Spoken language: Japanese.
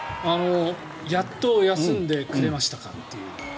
やっと休んでくれましたかっていう。